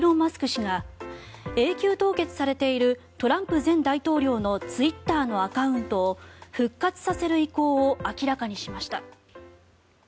氏が永久凍結されているトランプ前大統領のツイッターのアカウントを復活させる意向を明らかにしました。